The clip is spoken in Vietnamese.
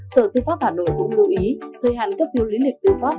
sở tư pháp hà nội cũng lưu ý thời hạn cấp phiêu lý liệt tư pháp